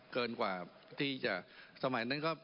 เกินกว่าที่จะสมัยนั้นก็